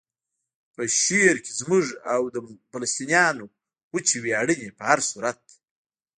په شعر کې زموږ او د فلسطینیانو وچې ویاړنې په هر صورت.